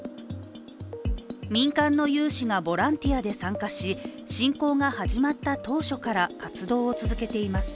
民間の有志がボランティアで参加し侵攻が始まった当初から活動を続けています。